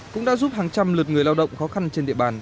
cũng đã giúp hàng trăm lượt người lao động khó khăn trên địa bàn